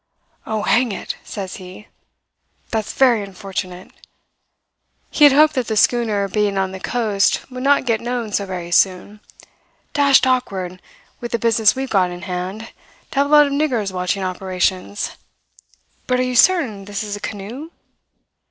"'Oh, hang it!' says he. 'That's very unfortunate.' He had hoped that the schooner being on the coast would not get known so very soon. 'Dashed awkward, with the business we've got in hand, to have a lot of niggers watching operations. But are you certain this is a canoe?'